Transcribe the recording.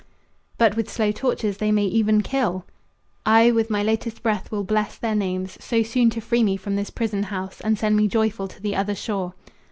"But with slow tortures they may even kill." "I with my latest breath will bless their names, So soon to free me from this prison house And send me joyful to the other shore."